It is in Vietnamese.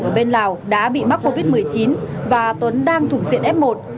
tiếp xúc với tùng ở bên lào đã bị mắc covid một mươi chín và tuấn đang thủng diện f một